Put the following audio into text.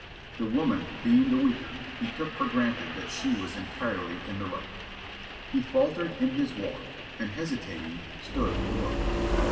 The woman being the weaker, he took for granted that she was entirely in the right. He faltered in his walk, and, hesitating, stood to look.